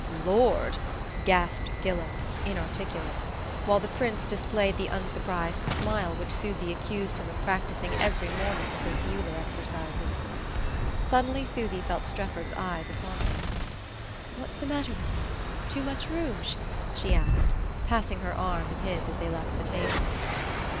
"Lord!" grasped Gillow, inarticulate: while the Prince displayed the unsurprised smile which Susy accused him of practicing every morning with his Mueller exercises. Suddenly Susy felt Strefford's eyes upon her. "What's the matter with me? Too much rouge?" she asked, passing her arm in his as they left the table.